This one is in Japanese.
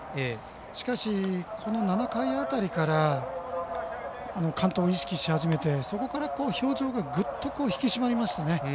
しかし、この７回辺りから完投を意識し始めてそこから表情がぐっと引き締まりましたよね。